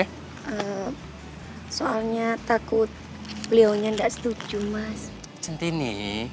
eh soalnya takut belionya gak setuju